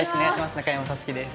中山咲月です。